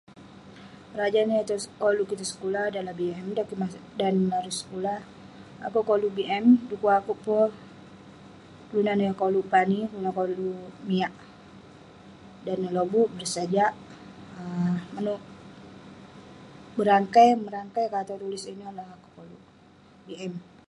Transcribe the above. Berajan eh tong- koluk kik tong sekulah adakah BM. Dan kik mase- dan larui sekulah ; akouk koluk BM, Dekuk akouk peh kelunan yah koluk pani kelunan koluk miak. Dan neh lobuk, bersajak, manouk berangkai, merangkai ka atau tulis. Ineh lah akouk koluk BM.